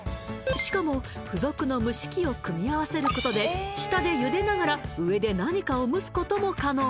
しかも付属の蒸し器を組み合わせることで下で茹でながら上で何かを蒸すことも可能